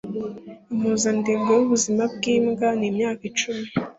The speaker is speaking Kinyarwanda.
Impuzandengo yubuzima bwimbwa ni imyaka icumi.